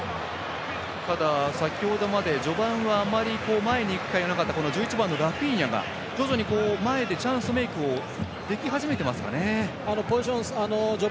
先ほどまで序盤はあまり前に行く機会がなかった１１番のラフィーニャが徐々に前でチャンスメイクを出来始めていますかね。